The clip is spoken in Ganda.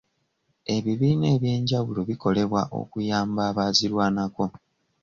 Ebibiina eby'enjawulo bikolebwa okuyamba abazirwanako.